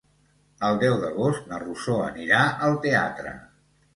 El deu d'agost na Rosó anirà al teatre.